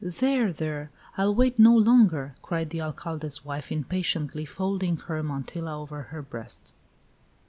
"There! there! I'll wait no longer!" cried the Alcalde's wife, impatiently, folding her mantilla over her breast.